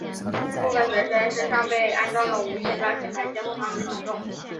部分学生身上被安装了无线标签来监控他们的行动。